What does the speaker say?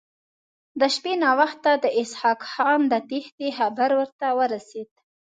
د شپې ناوخته د اسحق خان د تېښتې خبر ورته ورسېد.